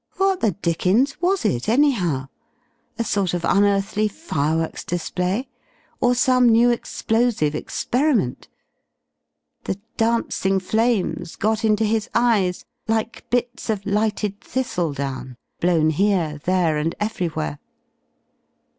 What the dickens was it, anyhow? A sort of unearthly fireworks display, or some new explosive experiment? The dancing flames got into his eyes like bits of lighted thistledown blown here, there, and everywhere.